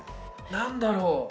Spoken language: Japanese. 何だろう？